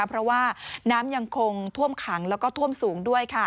เพราะว่าน้ำยังคงท่วมขังแล้วก็ท่วมสูงด้วย